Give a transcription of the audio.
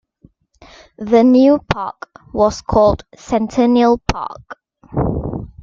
The new park was called Centennial Park.